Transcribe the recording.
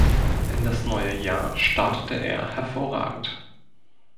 In das neue Jahr startete er hervorragend.